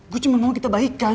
gue cuman mau kita baikan